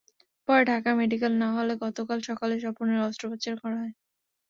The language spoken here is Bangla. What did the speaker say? পরে ঢাকা মেডিকেলে নেওয়া হলে গতকাল সকালে স্বপনের অস্ত্রোপচার করা হয়।